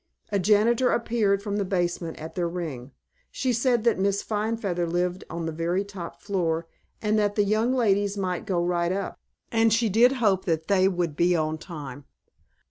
A janitor appeared from the basement at their ring. She said that Miss Finefeather lived on the very top floor and that the young ladies might go right up, and she did hope that they would be on time.